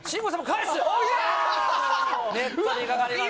ネットにかかりました。